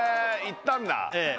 行ったんだええ